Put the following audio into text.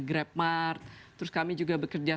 grabmart terus kami juga bekerja